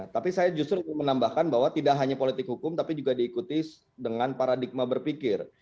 tapi saya justru menambahkan bahwa tidak hanya politik hukum tapi juga diikuti dengan paradigma berpikir